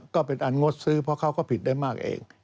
ก็เป็นอันงดซื้อเพราะเขาก็ผิดได้มากเอง